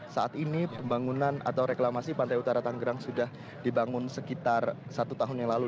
saat ini pembangunan atau reklamasi pantai utara tanggerang sudah dibangun sekitar satu tahun yang lalu